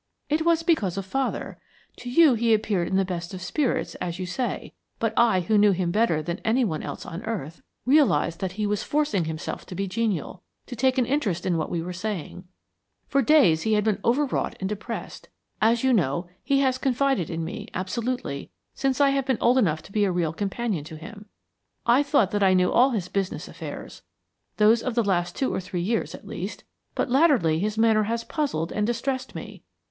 "It was because of father. To you he appeared in the best of spirits, as you say, but I, who knew him better than any one else on earth, realized that he was forcing himself to be genial, to take an interest in what we were saying. For days he had been overwrought and depressed. As you know, he has confided in me, absolutely, since I have been old enough to be a real companion to him. I thought that I knew all his business affairs those of the last two or three years at least but latterly his manner has puzzled and distressed me.